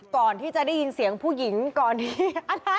ก่อนที่จะได้ยินเสียงผู้หญิงก่อนนี้